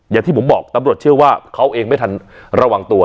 อย่างที่ผมบอกตำรวจเชื่อว่าเขาเองไม่ทันระวังตัว